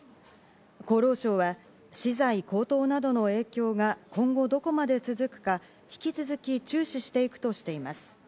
厚労省は資材高騰などの影響が今後どこまで続くか、引き続き注視していくとしています。